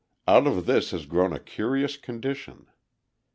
Out of this has grown a curious condition.